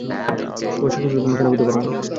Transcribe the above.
তোমার সমস্যা হলো তুমি খারাপ হতে পারো না!